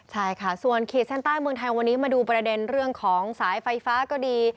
ใช่ค่ะส่วนขีดเส้นใต้เมืองไทยวันนี้มาดูประเด็นเรื่องของสายไฟฟ้าก็ดี